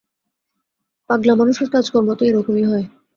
পাগলামানুষের কাজকর্ম তো এই রকমই হয়।